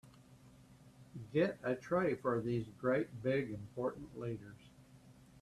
Get a tray for these great big important leaders.